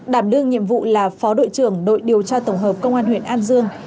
đảm đương nhiệm vụ là phó đội trưởng đội điều tra tổng hợp công an huyện an dương